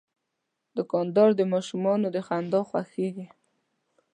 دوکاندار د ماشومانو د خندا خوښیږي.